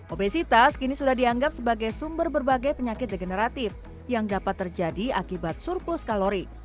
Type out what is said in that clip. obesitas kini sudah dianggap sebagai sumber berbagai penyakit degeneratif yang dapat terjadi akibat surplus kalori